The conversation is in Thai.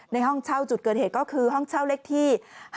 ห้องเช่าจุดเกิดเหตุก็คือห้องเช่าเลขที่๕๗